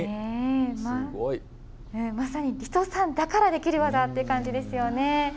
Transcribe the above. まさにリトさんだからできる技っていう感じですよね。